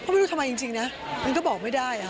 ไม่รู้ทำไมจริงนะมันก็บอกไม่ได้